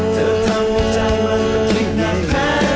เธอทำให้ใจมันต้องคิดหนักแพ้